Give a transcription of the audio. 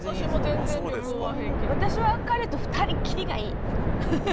私は彼と２人きりがいい。